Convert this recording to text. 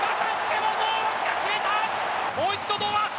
もう一度、堂安。